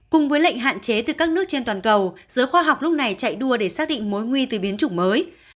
cùng với lệnh hạn chế từ các nước trên toàn cầu giới khoa học lúc này chạy đua để xác định mối nguy từ biến chủng mới